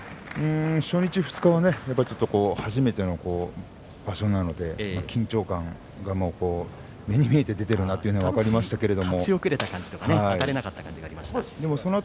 初日、二日目は初めての場所なので緊張感目に見えて出ているなと分かりましたけれど。